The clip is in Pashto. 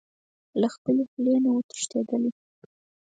له خپلې خولې نه و تښتېدلی.